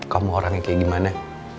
kamu orangnya kayak gimana